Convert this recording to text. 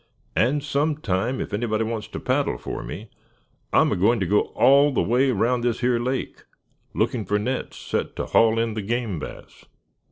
And some time, if anybody wants to paddle for me, I'm agoin' to go all the way around this here lake, lookin' for nets, set to haul in the game bass."